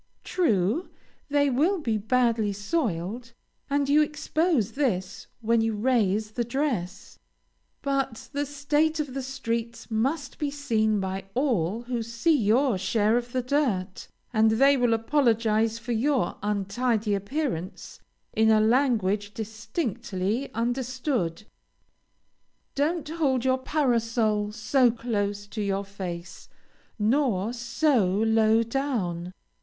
True, they will be badly soiled, and you expose this when you raise the dress, but the state of the streets must be seen by all who see your share of the dirt, and they will apologize for your untidy appearance in a language distinctly understood. Don't hold your parasol so close to your face, nor so low down.